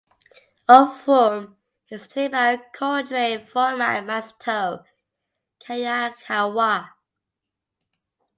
Of whom is played by Coldrain frontman Masato Hayakawa.